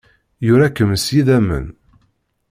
Yura-kem s yidammen.